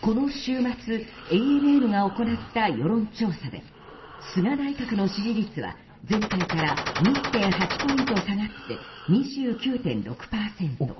この週末、ＡＮＮが行った世論調査で菅内閣の支持率は前回から２．８ポイント下がって２９．６％。